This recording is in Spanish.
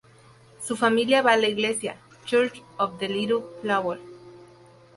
Su familia va a la Iglesia Church of the Little Flower.